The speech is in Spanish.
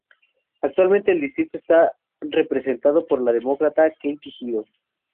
Actualmente el distrito está representado por la Demócrata Katie Hill.